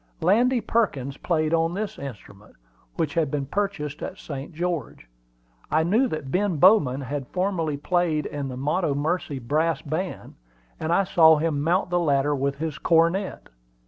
Landy Perkins played on this instrument, which had been purchased at St. George. I knew that Ben Bowman had formerly played in the Montomercy Brass Band, and I saw him mount the ladder with his cornet.